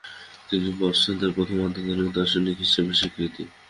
তিনি পাশ্চাত্যের প্রথম আধুনিক দার্শনিক হিসেবে স্বীকৃত।